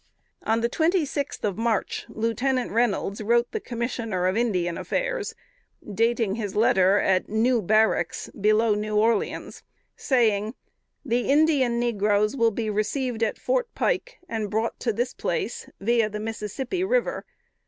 On the twenty sixth of March, Lieutenant Reynolds wrote the Commissioner of Indian Affairs, dating his letter at "New Barracks," below New Orleans, saying, "The Indian negroes will be received at Fort Pike, and brought to this place, via the Mississippi River.